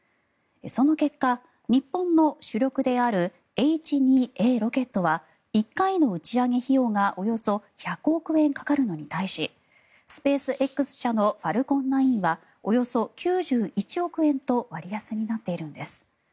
その結果、日本の主力であるＨ２Ａロケットは１回の打ち上げ費用がおよそ１００億円かかるのに対しスペースＸ社のファルコン９はおよそ９１億円と割安になっているんです。